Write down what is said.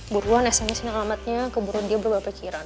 buruan sms in alamatnya keburu dia berapa cairan